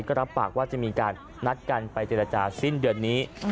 ก็รับปากว่าจะมีการนัดกันไปเจรจาสิ้นเดือนนี้